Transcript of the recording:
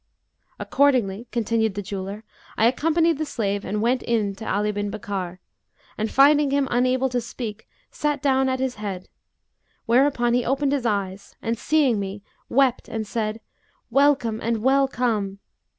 Accordingly" (continued the jeweller) "I accompanied the slave and went in to Ali bin Bakkar; and, finding him unable to speak, sat down at his head, whereupon he opened his eyes and seeing me, wept and said, 'Welcome and well come!'